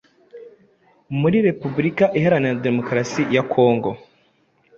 muri Repubulika Iharanira Demokarasi ya Kongo